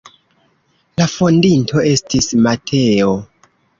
La fondinto estis Mateo.